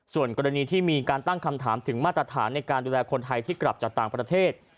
ส่วนกรณีที่มีการตั้งคำถามถึงมาตรฐานในการดูแลคนไทยที่กลับจากต่างประเทศ